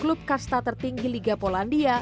klub kasta tertinggi liga polandia